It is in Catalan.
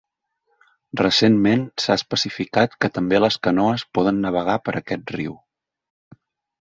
Recentment s'ha especificat que també les canoes poden navegar per aquest riu.